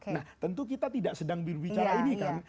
nah tentu kita tidak sedang berbicara ini kan